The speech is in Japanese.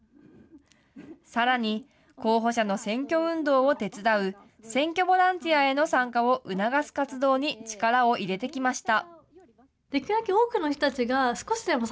さらに、候補者の選挙運動を手伝う選挙ボランティアへの参加を促す活動に力を入れてきました。